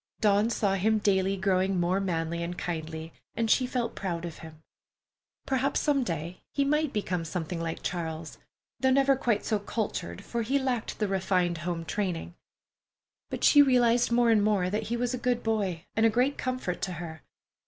Dawn saw him daily growing more manly and kindly, and she felt proud of him. Perhaps, some day, he might become something like Charles, though never quite so cultured, for he lacked the refined home training. But she realized more and more that he was a good boy and a great comfort to her.